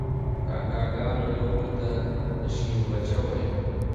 کاکه ګانو یو بل ته شیربچه ویل.